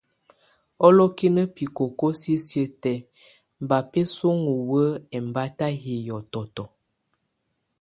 Olokinə bikoko sisiə tɛ ba bɛsɔnŋɔ wə ɛmbata yɛ hiɔtɔtɔ.